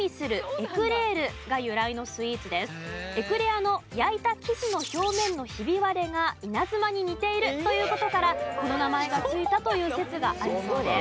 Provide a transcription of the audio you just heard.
エクレアの焼いた生地の表面のひび割れが稲妻に似ているという事からこの名前が付いたという説があるそうです。